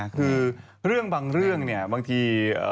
คือเรื่องบางเรื่องเนี่ยบางที